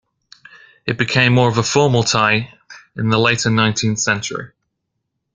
It became more of a formal tie in the later nineteenth century.